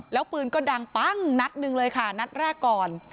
แล้วปืนก็ดังปั้งนัดหนึ่งเลยค่ะนัดแรกก่อน